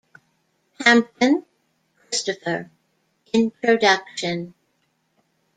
Hampton, Christopher: Introduction.